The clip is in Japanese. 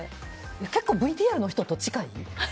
結構ＶＴＲの人と近い？